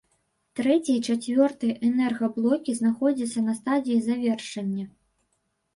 Трэці і чацвёрты энергаблокі знаходзяцца на стадыі завяршэння.